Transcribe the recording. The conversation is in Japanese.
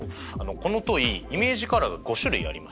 このトイイメージカラーが５種類ありまして。